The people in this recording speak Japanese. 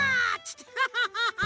ハハハハ！